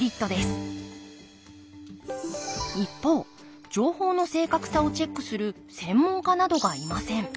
一方情報の正確さをチェックする専門家などがいません。